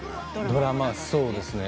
ドラマはそうですね